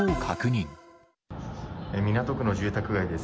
港区の住宅街です。